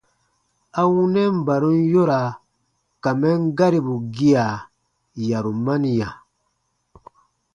A wunɛn barum yoraa ka mɛn garibu gia, yarumaniya.